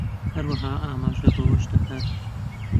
هەروەها ئاماژە بەوەش دەکات